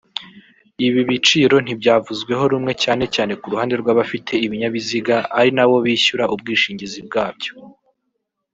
Ibi biciro ntibyavuzweho rumwe cyane cyane ku ruhande rw’abafite ibinyabiziga ari na bo bishyura ubwishingizi bwabyo